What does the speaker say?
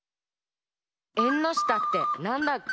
「えんのしたってなんだっけ？」